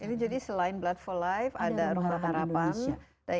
ini jadi selain blood for life ada rumah karapan